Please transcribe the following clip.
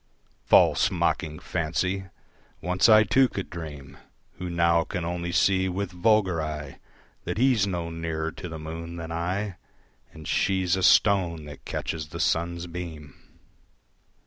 False mocking fancy! Once I too could dream, Who now can only see with vulgar eye That he's no nearer to the moon than I And she's a stone that catches the sun's beam.